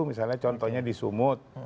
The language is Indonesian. misalnya contohnya di sumut